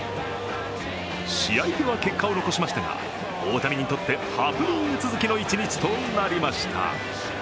試合では結果を残しましたが大谷にとってハプニング続きの一日となりました。